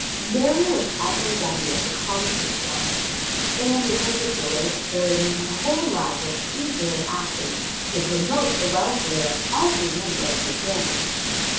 Mary was ever ready at the call of distress, and, in particular, during her whole life was eager and active to promote the welfare of every member of her family.